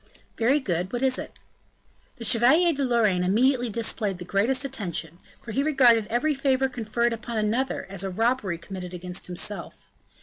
"Very good, what is it?" The Chevalier de Lorraine immediately displayed the greatest attention, for he regarded every favor conferred upon another as a robbery committed against himself.